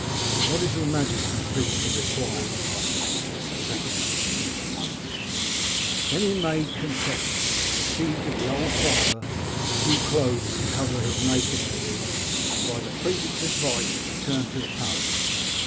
' What is your majesty pleased to require?* asked the confessor, recognising him at once. Then he made his con fession, and received of the old father a few clothes to cover his nakedness, and by the priest's advice returned to the palace.